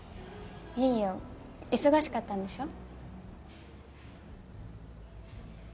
いいよ忙しかったんでしょ？